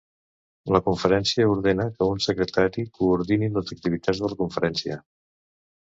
La Conferència ordena que un secretari coordini les activitats de la Conferència.